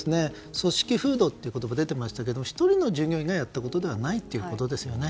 組織風土という言葉が出てましたけど１人の従業員がやったことではないということですよね。